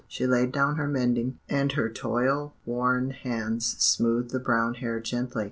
She laid down her mending, and her toil worn hands smoothed the brown hair gently.